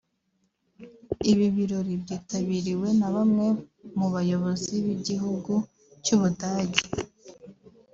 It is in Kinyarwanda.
Ibi birori byitabiriwe na bamwe mu bayobozi b’Igihugu cy’u Budage